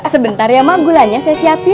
sebentar ya ma gulanya saya siapin